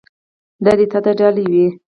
دا دې تا ته ډالۍ وي.